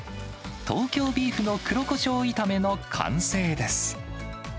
東京ビーフの黒こしょう炒めの完成です。